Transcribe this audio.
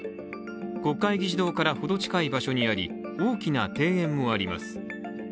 国会議事堂から程近い場所にあり大きな庭園もあります。